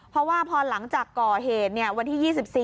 เพราะว่าพอหลังจากก่อเหตุวันที่๒๔